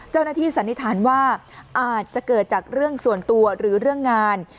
สันนิษฐานว่าอาจจะเกิดจากเรื่องส่วนตัวหรือเรื่องงาน